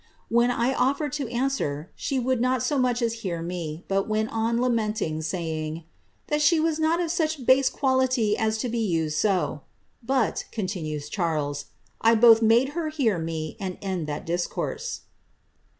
* When I ofiered to answer, she would not so much as hear mc, but went on lamenting, saying, * that she was not of such base quality as to be used so!' But," continues Charles, ^ I both made her hear me, and end that discourse."